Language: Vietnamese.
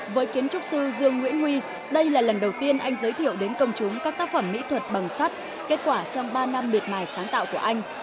với kiến trúc sư dương nguyễn huy đây là lần đầu tiên anh giới thiệu đến công chúng các tác phẩm mỹ thuật bằng sắt kết quả trong ba năm miệt mài sáng tạo của anh